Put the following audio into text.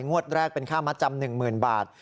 งวดแรกเป็นค่ามัดจำ๑๐๐๐บาท